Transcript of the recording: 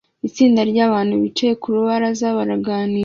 Itsinda ryabantu bicaye ku rubaraza baraganira